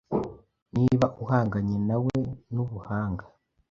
niba uhanganye nawe mubuhanga